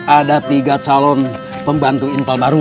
ada tiga calon pembantu inval baru